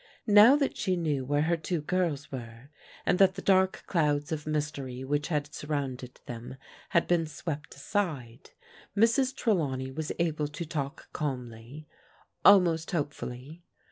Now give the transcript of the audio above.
Now that she knew where her two girls were, and that the dark clouds of mystery which had surrounded them had been swept aside, Mrs. Trelawney was able to talk calmly, almost hopefully.